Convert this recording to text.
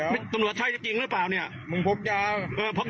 พวกตาเสดติด